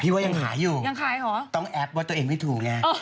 พี่ว่ายังขายอยู่ต้องแอบว่าตัวเองไม่ถูกไงเออ